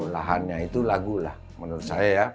lahannya itu lagu lah menurut saya ya